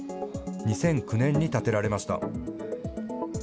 ２００９年に建てられました。